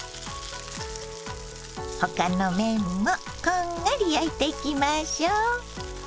他の面もこんがり焼いていきましょう。